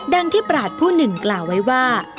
ดังที่ปราศผู้หนึ่งกล่าวไว้ว่า